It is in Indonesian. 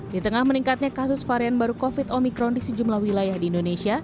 di tengah meningkatnya kasus varian baru covid omikron di sejumlah wilayah di indonesia